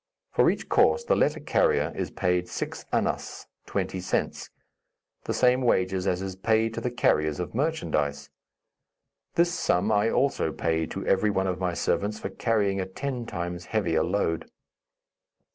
For each course the letter carrier is paid six annas (twenty cents); the same wages as is paid to the carriers of merchandise. This sum I also paid to every one of my servants for carrying a ten times heavier load.